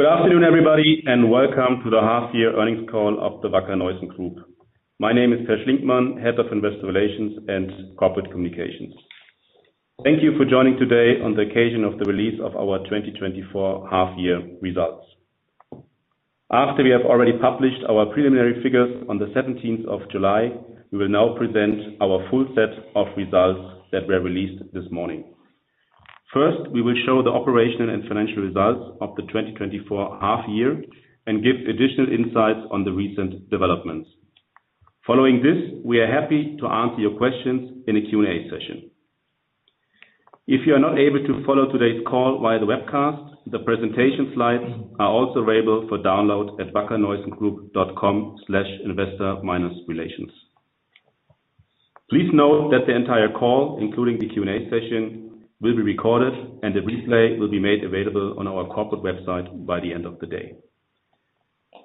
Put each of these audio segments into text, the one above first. Good afternoon, everybody, and welcome to the half year earnings call of the Wacker Neuson Group. My name is Peer Schlinkmann, Head of Investor Relations and Corporate Communications. Thank you for joining today on the occasion of the release of our 2024 half year results. After we have already published our preliminary figures on the seventeenth of July, we will now present our full set of results that were released this morning. First, we will show the operational and financial results of the 2024 half year and give additional insights on the recent developments. Following this, we are happy to answer your questions in a Q&A session. If you are not able to follow today's call via the webcast, the presentation slides are also available for download at wackerneusongroup.com/investor-relations. Please note that the entire call, including the Q&A session, will be recorded, and the replay will be made available on our corporate website by the end of the day.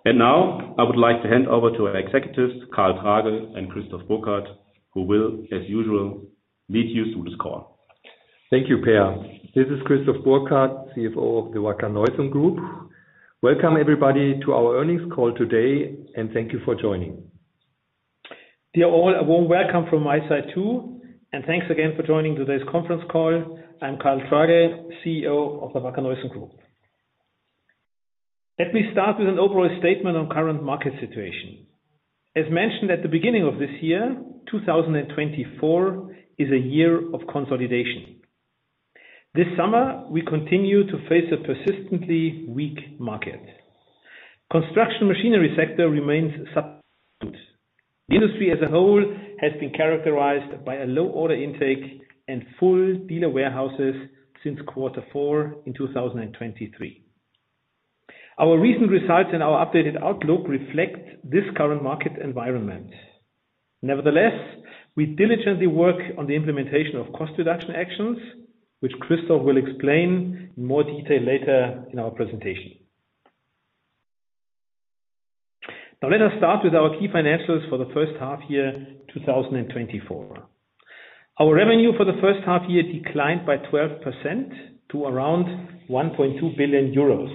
And now, I would like to hand over to our executives, Karl Tragl and Christoph Burkhard, who will, as usual, lead you through this call. Thank you, Per. This is Christoph Burkhard, CFO of the Wacker Neuson Group. Welcome, everybody, to our earnings call today, and thank you for joining. Dear all, a warm welcome from my side, too, and thanks again for joining today's conference call. I'm Karl Tragl, CEO of the Wacker Neuson Group. Let me start with an overall statement on current market situation. As mentioned at the beginning of this year, 2024 is a year of consolidation. This summer, we continue to face a persistently weak market. Construction machinery sector remains subdued. The industry as a whole has been characterized by a low order intake and full dealer warehouses since Quarter Four in 2023. Our recent results and our updated outlook reflect this current market environment. Nevertheless, we diligently work on the implementation of cost reduction actions, which Christoph will explain in more detail later in our presentation. Now, let us start with our key financials for the first half year, 2024. Our revenue for the first half year declined by 12% to around 1.2 billion euros.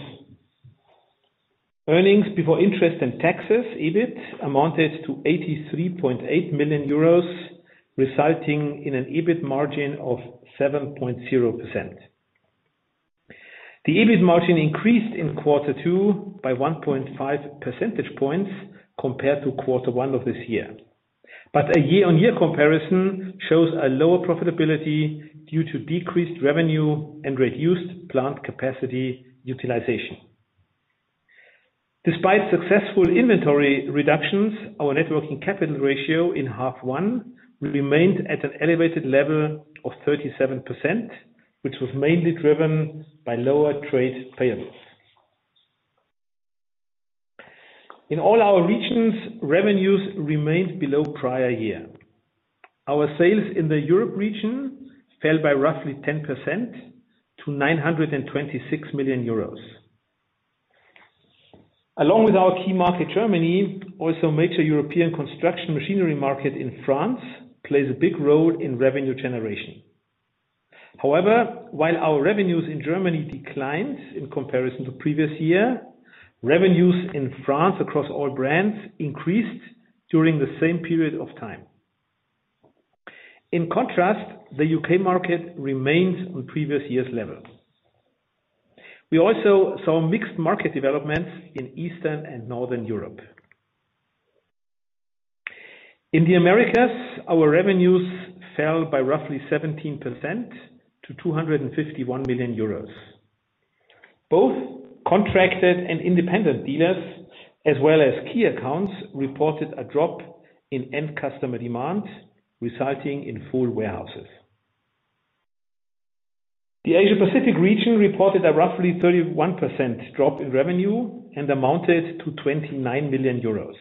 Earnings before interest and taxes, EBIT, amounted to 83.8 million euros, resulting in an EBIT margin of 7.0%. The EBIT margin increased in Quarter Two by 1.5 percentage points compared to Quarter One of this year. But a year-on-year comparison shows a lower profitability due to decreased revenue and reduced plant capacity utilization. Despite successful inventory reductions, our net working capital ratio in half one remained at an elevated level of 37%, which was mainly driven by lower trade payables. In all our regions, revenues remained below prior year. Our sales in the Europe region fell by roughly 10% to 926 million euros. Along with our key market, Germany, also major European construction machinery market in France, plays a big role in revenue generation. However, while our revenues in Germany declined in comparison to previous year, revenues in France across all brands increased during the same period of time. In contrast, the U.K. market remained on previous year's level. We also saw mixed market developments in Eastern and Northern Europe. In the Americas, our revenues fell by roughly 17% to 251 million euros. Both contracted and independent dealers, as well as key accounts, reported a drop in end customer demand, resulting in full warehouses. The Asia Pacific region reported a roughly 31% drop in revenue and amounted to 29 million euros.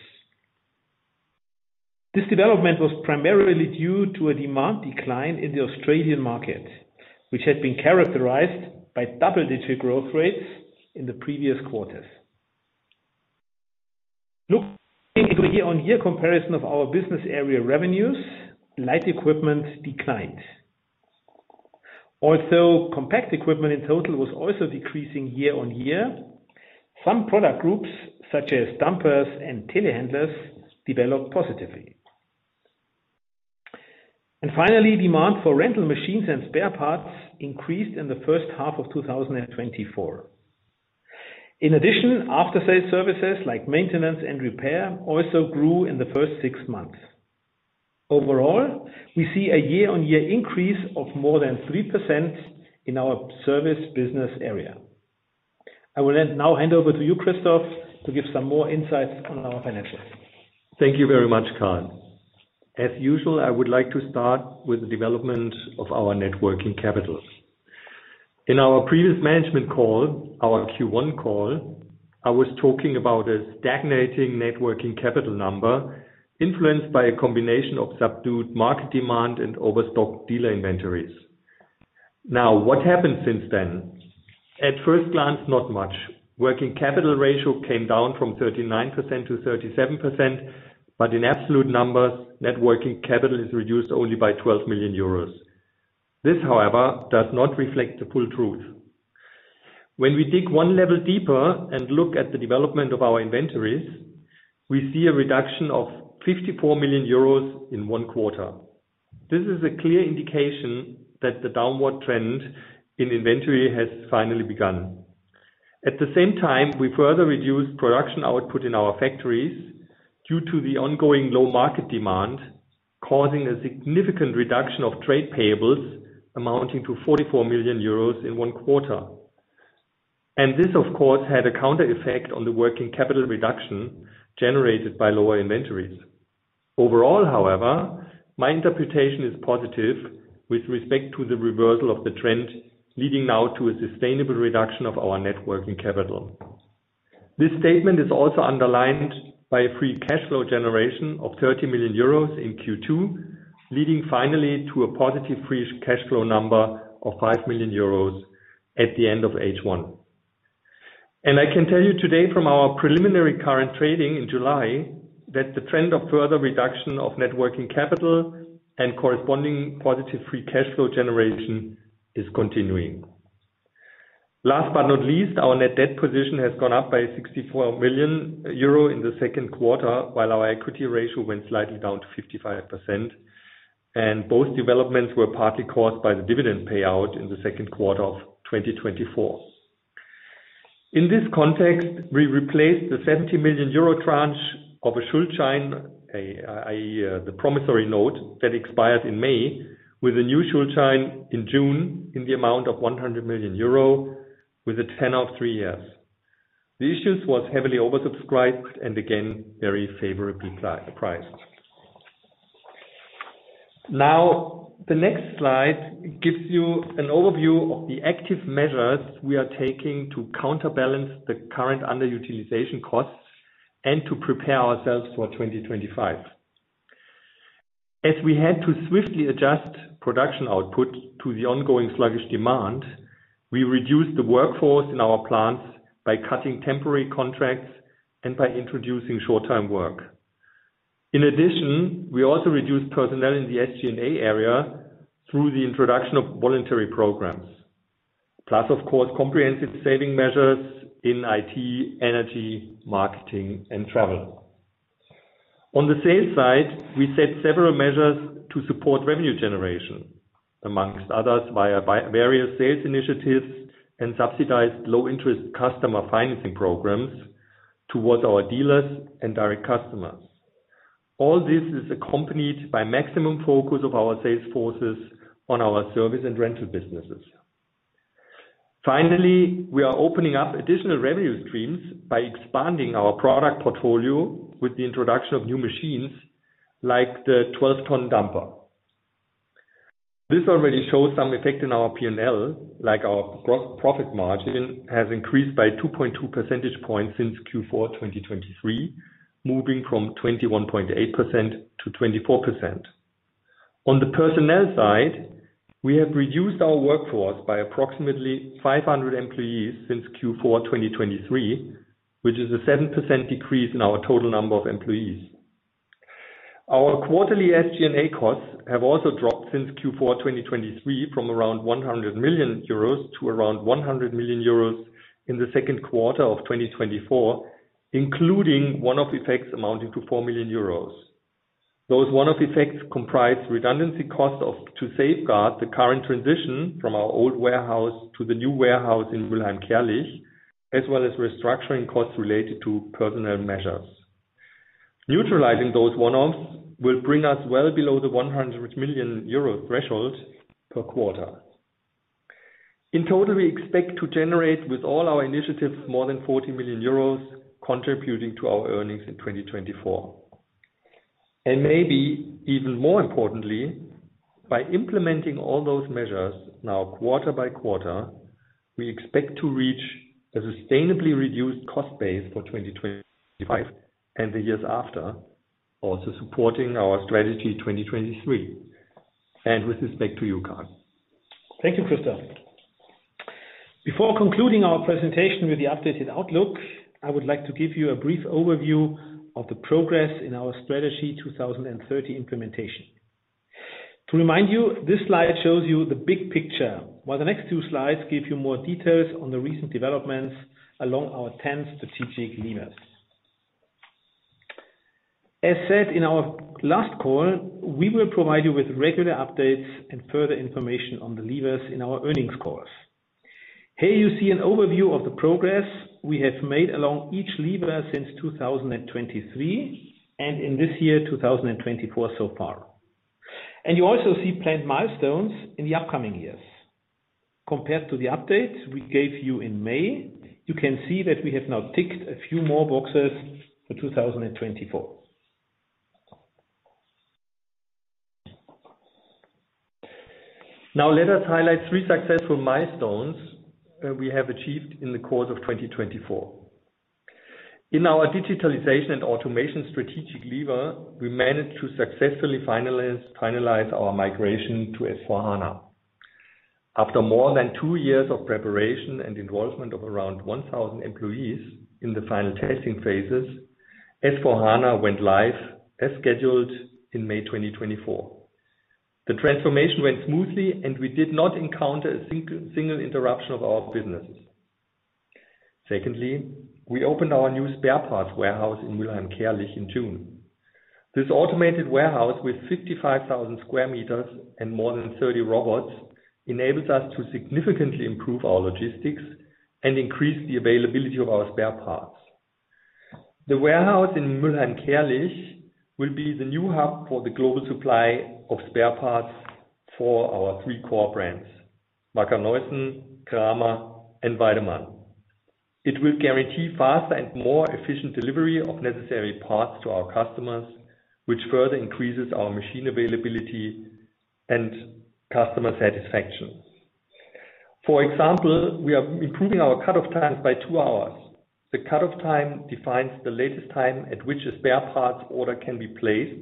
This development was primarily due to a demand decline in the Australian market, which had been characterized by double-digit growth rates in the previous quarters. Looking at the year-on-year comparison of our business area revenues, light equipment declined. Also, compact equipment in total was also decreasing year-on-year. Some product groups, such as dumpers and telehandlers, developed positively. And finally, demand for rental machines and spare parts increased in the first half of 2024. In addition, after-sale services like maintenance and repair also grew in the first six months. Overall, we see a year-on-year increase of more than 3% in our service business area. I will then now hand over to you, Christoph, to give some more insights on our financials. Thank you very much, Karl. As usual, I would like to start with the development of our net working capitals. In our previous management call, our Q1 call, I was talking about a stagnating net working capital number influenced by a combination of subdued market demand and overstocked dealer inventories. Now, what happened since then? At first glance, not much. Working capital ratio came down from 39% to 37%, but in absolute numbers, net working capital is reduced only by 12 million euros... This, however, does not reflect the full truth. When we dig one level deeper and look at the development of our inventories, we see a reduction of 54 million euros in one quarter. This is a clear indication that the downward trend in inventory has finally begun. At the same time, we further reduced production output in our factories due to the ongoing low market demand, causing a significant reduction of trade payables amounting to 44 million euros in one quarter. And this, of course, had a counter effect on the working capital reduction generated by lower inventories. Overall, however, my interpretation is positive with respect to the reversal of the trend, leading now to a sustainable reduction of our net working capital. This statement is also underlined by a free cash flow generation of 30 million euros in Q2, leading finally to a positive free cash flow number of 5 million euros at the end of H1. And I can tell you today from our preliminary current trading in July, that the trend of further reduction of net working capital and corresponding positive free cash flow generation is continuing. Last but not least, our net debt position has gone up by 64 million euro in the second quarter, while our equity ratio went slightly down to 55%, and both developments were partly caused by the dividend payout in the second quarter of 2024. In this context, we replaced the 70 million euro tranche of a Schuldschein, a promissory note that expired in May, with a new Schuldschein in June, in the amount of 100 million euro with a tenor of three years. The issue was heavily oversubscribed and again, very favorably priced. Now, the next slide gives you an overview of the active measures we are taking to counterbalance the current underutilization costs and to prepare ourselves for 2025. As we had to swiftly adjust production output to the ongoing sluggish demand, we reduced the workforce in our plants by cutting temporary contracts and by introducing short-time work. In addition, we also reduced personnel in the SG&A area through the introduction of voluntary programs, plus, of course, comprehensive saving measures in IT, energy, marketing, and travel. On the sales side, we set several measures to support revenue generation, among others, via various sales initiatives and subsidized low-interest customer financing programs towards our dealers and direct customers. All this is accompanied by maximum focus of our sales forces on our service and rental businesses. Finally, we are opening up additional revenue streams by expanding our product portfolio with the introduction of new machines, like the 12-ton dumper. This already shows some effect in our P&L, like our gross profit margin has increased by 2.2 percentage points since Q4 2023, moving from 21.8% to 24%. On the personnel side, we have reduced our workforce by approximately 500 employees since Q4 2023, which is a 7% decrease in our total number of employees. Our quarterly SG&A costs have also dropped since Q4 2023, from around 100 million euros to around 100 million euros in the second quarter of 2024, including one-off effects amounting to 4 million euros. Those one-off effects comprise redundancy costs of, to safeguard the current transition from our old warehouse to the new warehouse in Mülheim-Kärlich, as well as restructuring costs related to personnel measures. Neutralizing those one-offs will bring us well below the 100 million euro threshold per quarter. In total, we expect to generate with all our initiatives more than 40 million euros, contributing to our earnings in 2024. Maybe even more importantly, by implementing all those measures now quarter by quarter, we expect to reach a sustainably reduced cost base for 2025 and the years after, also supporting our Strategy 2023. With respect to you, Karl. Thank you, Christoph. Before concluding our presentation with the updated outlook, I would like to give you a brief overview of the progress in our Strategy 2030 implementation. To remind you, this slide shows you the big picture, while the next two slides give you more details on the recent developments along our 10 strategic levers. As said in our last call, we will provide you with regular updates and further information on the levers in our earnings calls. Here you see an overview of the progress we have made along each lever since 2023, and in this year, 2024 so far. And you also see planned milestones in the upcoming years. Compared to the updates we gave you in May, you can see that we have now ticked a few more boxes for 2024. Now, let us highlight 3 successful milestones that we have achieved in the course of 2024. In our digitalization and automation strategic lever, we managed to successfully finalize our migration to S/4HANA. After more than 2 years of preparation and involvement of around 1,000 employees in the final testing phases, S/4HANA went live as scheduled in May 2024. The transformation went smoothly, and we did not encounter a single interruption of our businesses. Secondly, we opened our new spare parts warehouse in Mülheim-Kärlich in June. This automated warehouse, with 55,000 square meters and more than 30 robots, enables us to significantly improve our logistics and increase the availability of our spare parts. The warehouse in Mülheim-Kärlich will be the new hub for the global supply of spare parts for our 3 core brands, Wacker Neuson, Kramer, and Weidemann. It will guarantee faster and more efficient delivery of necessary parts to our customers, which further increases our machine availability and customer satisfaction. For example, we are improving our cut-off times by two hours. The cut-off time defines the latest time at which a spare parts order can be placed,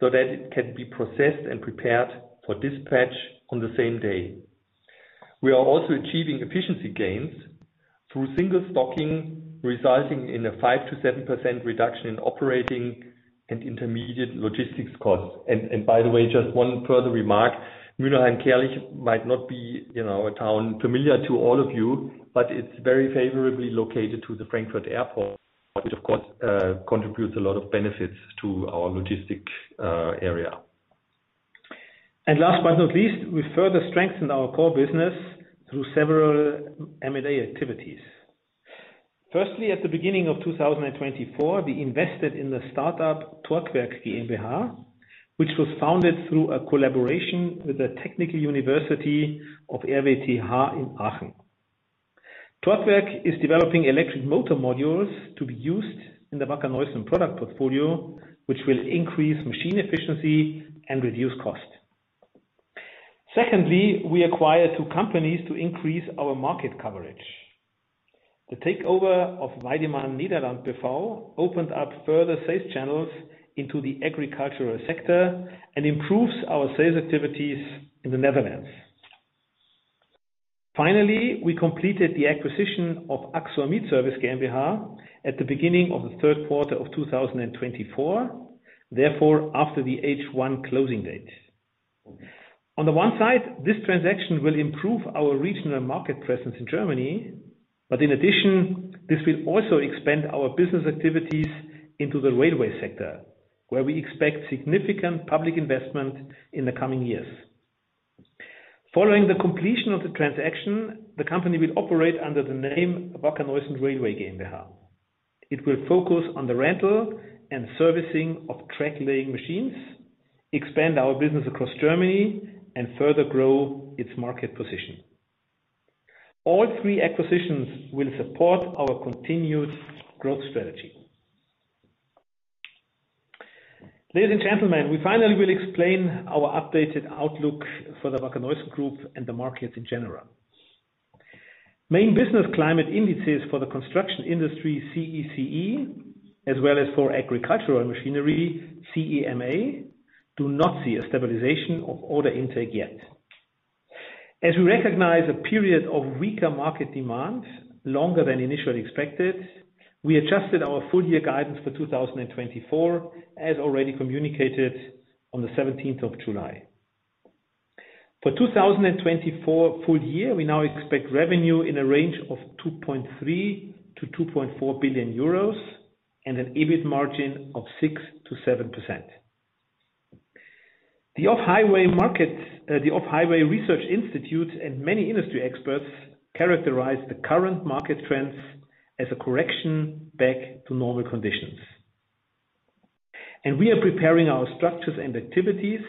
so that it can be processed and prepared for dispatch on the same day. We are also achieving efficiency gains through single stocking, resulting in a 5%-7% reduction in operating and intermediate logistics costs. And by the way, just one further remark, Mülheim-Kärlich might not be, you know, a town familiar to all of you, but it's very favorably located to the Frankfurt Airport, which, of course, contributes a lot of benefits to our logistic area. And last but not least, we further strengthened our core business through several M&A activities. Firstly, at the beginning of 2024, we invested in the startup TorqWerk GmbH, which was founded through a collaboration with RWTH Aachen University. TorqWerk is developing electric motor modules to be used in the Wacker Neuson product portfolio, which will increase machine efficiency and reduce cost. Secondly, we acquired two companies to increase our market coverage. The takeover of Weidemann Nederland B.V. opened up further sales channels into the agricultural sector and improves our sales activities in the Netherlands. Finally, we completed the acquisition of AXOR Mietservice GmbH at the beginning of the third quarter of 2024, therefore, after the H1 closing date. On the one side, this transaction will improve our regional market presence in Germany, but in addition, this will also expand our business activities into the railway sector, where we expect significant public investment in the coming years. Following the completion of the transaction, the company will operate under the name Wacker Neuson Railway GmbH. It will focus on the rental and servicing of track-laying machines, expand our business across Germany, and further grow its market position. All three acquisitions will support our continued growth strategy. Ladies and gentlemen, we finally will explain our updated outlook for the Wacker Neuson Group and the market in general. Main business climate indices for the construction industry, CECE, as well as for agricultural machinery, CEMA, do not see a stabilization of order intake yet. As we recognize a period of weaker market demand, longer than initially expected, we adjusted our full year guidance for 2024, as already communicated on the seventeenth of July. For 2024 full year, we now expect revenue in a range of 2.3 billion-2.4 billion euros and an EBIT margin of 6%-7%. The Off-Highway Research, and many industry experts characterize the current market trends as a correction back to normal conditions. We are preparing our structures and activities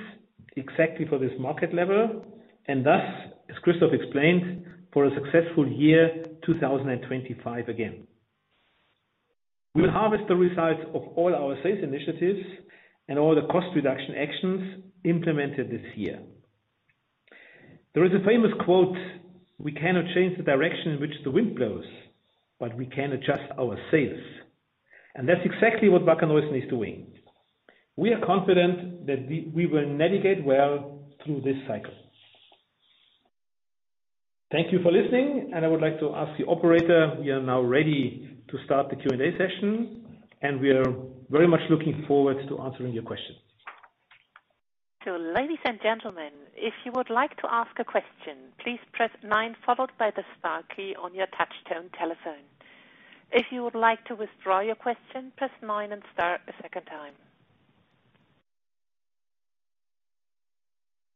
exactly for this market level, and thus, as Christoph explained, for a successful year, 2025 again. We will harvest the results of all our sales initiatives and all the cost reduction actions implemented this year. There is a famous quote, "We cannot change the direction in which the wind blows, but we can adjust our sails." That's exactly what Wacker Neuson is doing. We are confident that we will navigate well through this cycle. Thank you for listening, and I would like to ask the operator. We are now ready to start the Q&A session, and we are very much looking forward to answering your questions. Ladies and gentlemen, if you would like to ask a question, please press nine followed by the star key on your touchtone telephone. If you would like to withdraw your question, press nine and star a second time.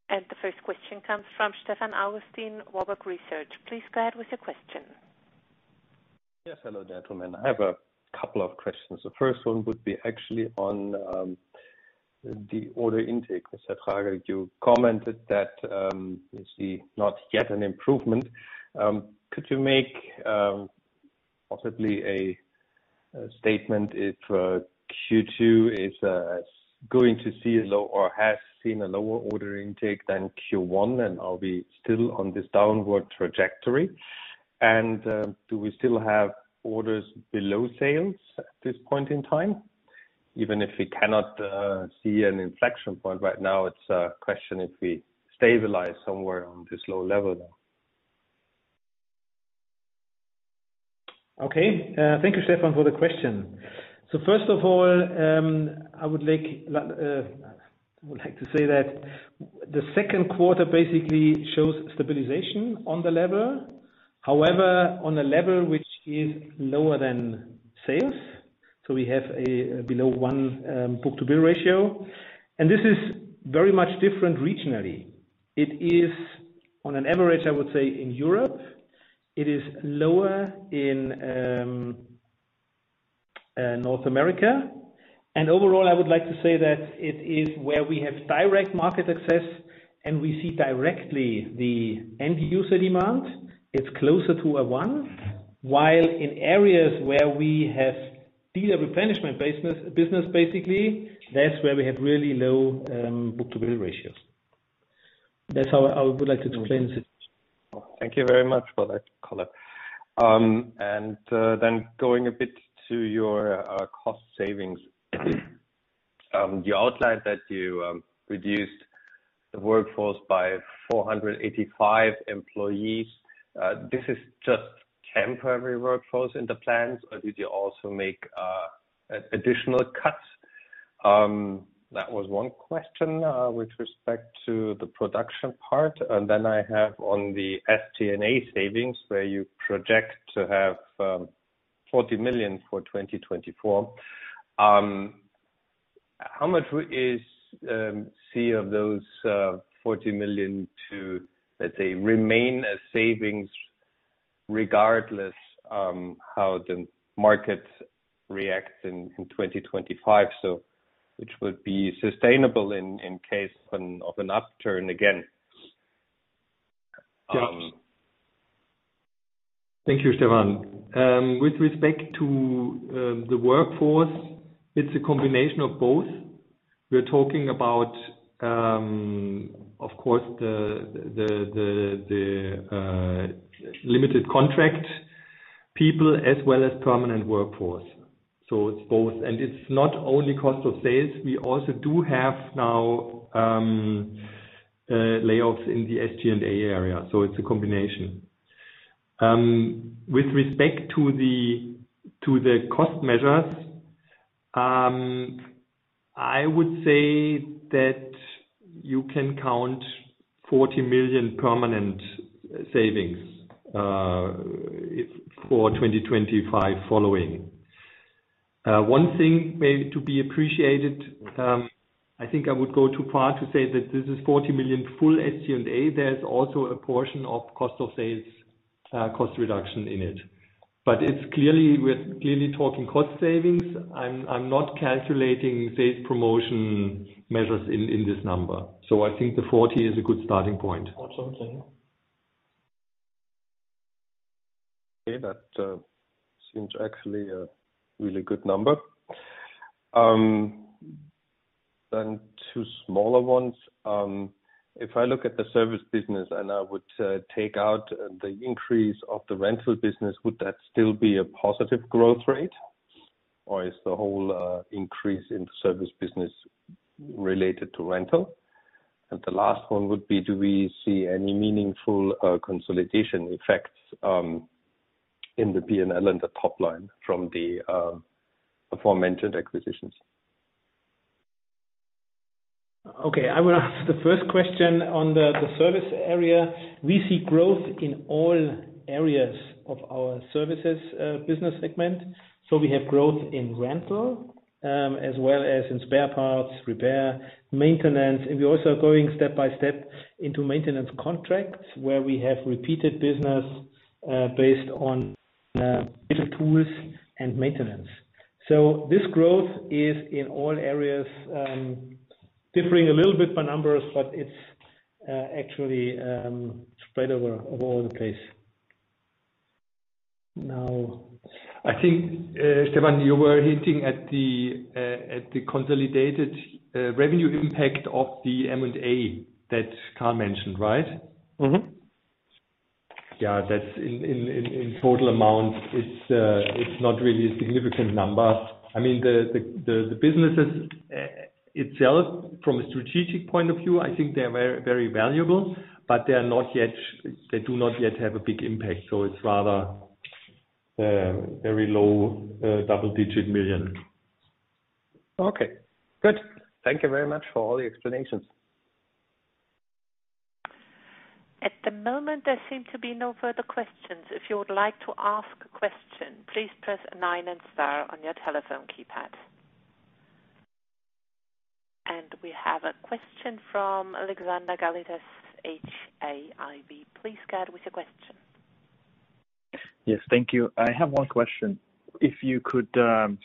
The first question comes from Stefan Augustin, Warburg Research. Please go ahead with your question. Yes, hello, gentlemen. I have a couple of questions. The first one would be actually on the order intake. Mr. Tragl, you commented that you see not yet an improvement. Could you make possibly a statement if Q2 is going to see a low or has seen a lower order intake than Q1, and are we still on this downward trajectory? And do we still have orders below sales at this point in time?... even if we cannot see an inflection point right now, it's a question if we stabilize somewhere on this low level now? Okay, thank you, Stefan, for the question. So first of all, I would like to say that the second quarter basically shows stabilization on the level. However, on a level which is lower than sales, so we have a below 1 book-to-bill ratio, and this is very much different regionally. It is on an average, I would say, in Europe. It is lower in North America. And overall, I would like to say that it is where we have direct market access, and we see directly the end user demand, it's closer to a 1. While in areas where we have dealer replenishment business, basically, that's where we have really low book-to-bill ratios. That's how I would like to explain this. Thank you very much for that color. And then going a bit to your cost savings. You outlined that you reduced the workforce by 485 employees. This is just temporary workforce in the plans, or did you also make additional cuts? That was one question, with respect to the production part. And then I have on the SG&A savings, where you project to have 40 million for 2024. How much of those 40 million will remain as savings, regardless how the markets react in 2025, so which would be sustainable in case of an upturn again? Thank you, Stefan. With respect to the workforce, it's a combination of both. We're talking about, of course, the limited contract people as well as permanent workforce. So it's both, and it's not only cost of sales, we also do have now layoffs in the SG&A area, so it's a combination. With respect to the cost measures, I would say that you can count 40 million permanent savings for 2025 following. One thing may to be appreciated, I think I would go too far to say that this is 40 million full SG&A. There's also a portion of cost of sales, cost reduction in it. But it's clearly, we're clearly talking cost savings. I'm not calculating sales promotion measures in this number, so I think the 40 is a good starting point. Okay, that seems actually a really good number. Then two smaller ones. If I look at the service business, and I would take out the increase of the rental business, would that still be a positive growth rate, or is the whole increase in the service business related to rental? And the last one would be: Do we see any meaningful consolidation effects in the P&L and the top line from the aforementioned acquisitions? Okay, I will answer the first question. On the service area, we see growth in all areas of our services business segment. So we have growth in rental, as well as in spare parts, repair, maintenance, and we're also going step by step into maintenance contracts, where we have repeated business based on digital tools and maintenance. So this growth is in all areas, differing a little bit by numbers, but it's actually spread over all the place. Now, I think, Stefan, you were hinting at the consolidated revenue impact of the M&A that Karl mentioned, right? Yeah, that's in total amount, it's not really a significant number. I mean, the businesses itself, from a strategic point of view, I think they're very, very valuable, but they are not yet, they do not yet have a big impact, so it's rather very low double-digit million EUR. Okay, good. Thank you very much for all the explanations. At the moment, there seem to be no further questions. If you would like to ask a question, please press nine and star on your telephone keypad. We have a question from Alexander Galitsa, HAIB. Please go ahead with your question. Yes, thank you. I have one question. If you could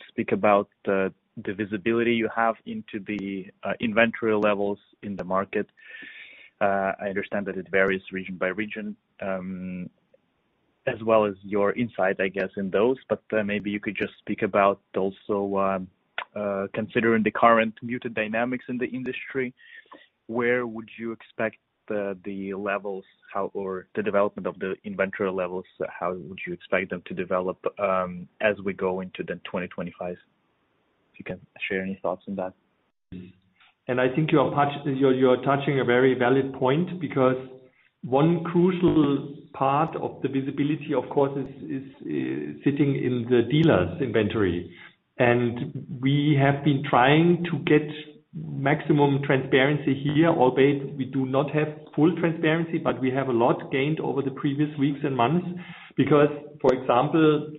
speak about the visibility you have into the inventory levels in the market. I understand that it varies region by region, as well as your insight, I guess, in those. But, maybe you could just speak about also considering the current muted dynamics in the industry... where would you expect the levels, how or the development of the inventory levels, how would you expect them to develop, as we go into 2025? If you can share any thoughts on that. I think you are touching a very valid point, because one crucial part of the visibility, of course, is sitting in the dealers' inventory. We have been trying to get maximum transparency here, albeit we do not have full transparency, but we have a lot gained over the previous weeks and months. Because, for example,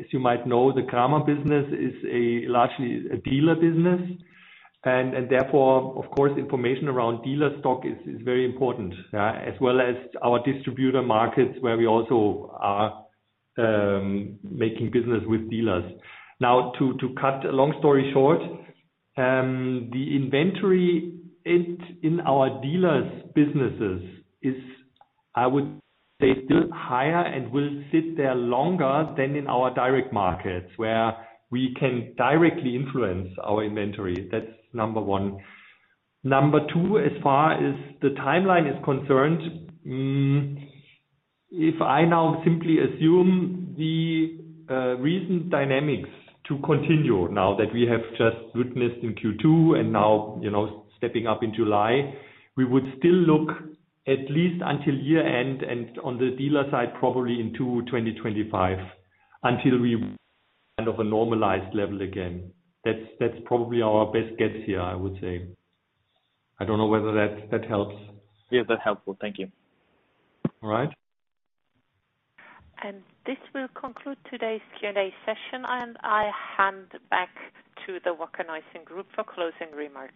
as you might know, the Kramer business is largely a dealer business, and therefore, of course, information around dealer stock is very important, as well as our distributor markets, where we also are making business with dealers. Now, to cut a long story short, the inventory in our dealers' businesses is, I would say, still higher and will sit there longer than in our direct markets, where we can directly influence our inventory. That's number one. Number two, as far as the timeline is concerned, if I now simply assume the recent dynamics to continue now, that we have just witnessed in Q2, and now, you know, stepping up in July, we would still look at least until year-end, and on the dealer side, probably into 2025, until we kind of a normalized level again. That's, that's probably our best guess here, I would say. I don't know whether that, that helps. Yeah, that's helpful. Thank you. All right. This will conclude today's Q&A session, and I hand back to the Wacker Neuson Group for closing remarks.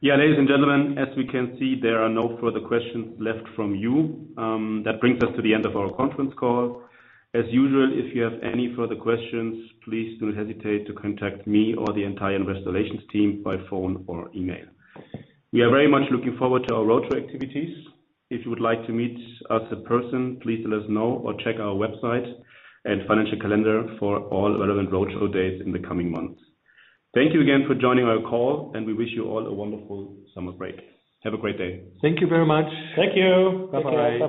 Yeah, ladies and gentlemen, as we can see, there are no further questions left from you. That brings us to the end of our conference call. As usual, if you have any further questions, please do not hesitate to contact me or the entire investor relations team by phone or email. We are very much looking forward to our roadshow activities. If you would like to meet us in person, please let us know or check our website and financial calendar for all relevant roadshow dates in the coming months. Thank you again for joining our call, and we wish you all a wonderful summer break. Have a great day. Thank you very much. Thank you. Bye-bye. Thank you. Bye-bye.